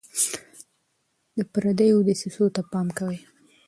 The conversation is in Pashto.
د پردیو دسیسو ته پام کوئ.